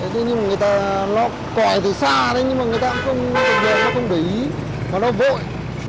thế nhưng mà người ta nó cõi từ xa đấy nhưng mà người ta cũng không để ý mà nó vội